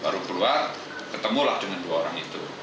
baru keluar ketemulah dengan dua orang itu